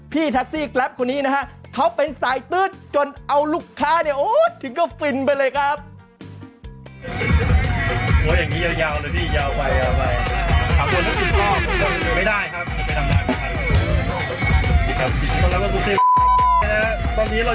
พี่แท็กซี่แกรปคนนี้นะฮะเขาเป็นสายตื๊ดจนเอาลูกค้าเนี่ยถึงก็ฟินไปเลยครับ